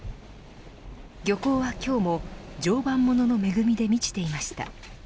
漁港は今日も常磐ものの恵みで満ちていました。